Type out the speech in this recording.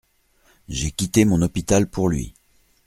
J’ai quitté mon hôpital pour lui.